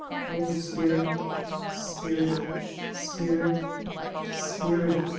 [O spirit ! spirit ! spirit ! spirit !